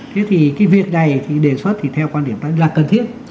thế thì cái việc này thì đề xuất theo quan điểm là cần thiết